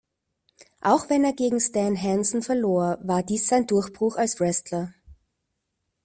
Auch wenn er gegen Stan Hansen verlor, war dies sein Durchbruch als Wrestler.